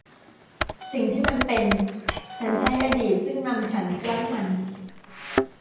สิ่งที่มันเป็น ฉันใช้อดีตซึ่งนำฉันใกล้มัน